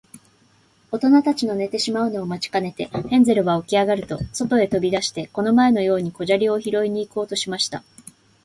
おとなたちの寝てしまうのを待ちかねて、ヘンゼルはおきあがると、そとへとび出して、この前のように小砂利をひろいに行こうとしました。